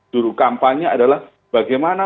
juru kampanye adalah bagaimana